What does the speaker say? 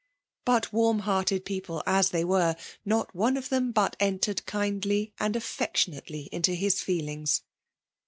But warm hearted people as they were, not one of them but entered kindly and affection ately into his feelings.